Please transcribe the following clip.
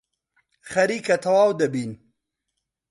خەریکە تەواو دەبین.